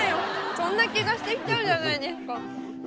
そんな気がしてきちゃうじゃないですか。